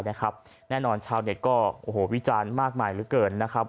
นะครับแน่นอนเนี้ยก็โอ้โฮวิจารณ์มากมายเหลือเกินนะครับ